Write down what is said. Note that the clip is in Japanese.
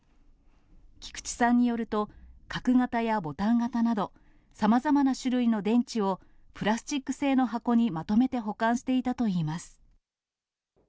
菊地さんによると、角形やボタン型など、さまざまな種類の電池を、プラスチック製の箱にまとめて保管していたといいます。